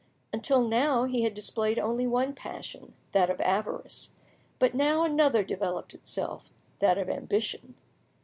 Until now he had displayed only one passion, that of avarice, but now another developed itself, that of ambition.